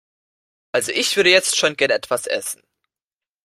Also ich würde jetzt schon gerne etwas essen.